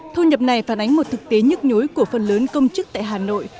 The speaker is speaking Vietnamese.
thu nhập này phản ánh một thực tế nhức nhối của phần lớn công chức tại hà nội